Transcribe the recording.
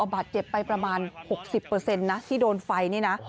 บาดเจ็บไปประมาณ๖๐นะที่โดนไฟนี่นะ